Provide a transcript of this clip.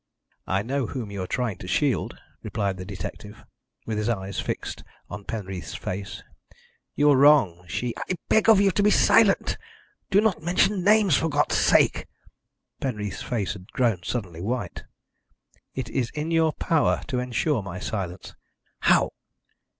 "I know whom you are trying to shield," replied the detective, with his eyes fixed on Penreath's face. "You are wrong. She " "I beg of you to be silent! Do not mention names, for God's sake." Penreath's face had grown suddenly white. "It is in your power to ensure my silence." "How?"